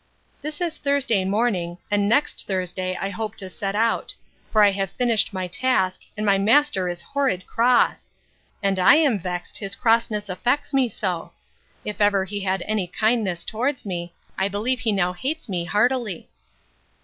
This is Thursday morning, and next Thursday I hope to set out; for I have finished my task, and my master is horrid cross! And I am vexed his crossness affects me so. If ever he had any kindness towards me, I believe he now hates me heartily.